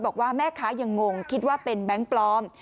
บอกว่าแม่ค้ายังงงคิดว่าเป็นแบงค์ปลอม